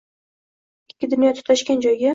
Ikki daryo tutashgan joyga